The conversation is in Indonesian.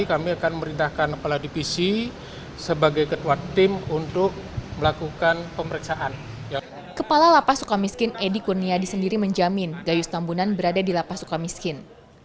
kepala lapa sukamiskin edi kurniadi sendiri menjamin gayus tambunan berada di lapa sukamiskin